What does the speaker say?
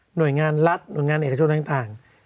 หน่วยงานรัฐหน่วยงานเอกชนต่าง